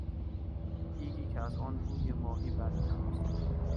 دیگی که از آن بوی ماهی برمیخاست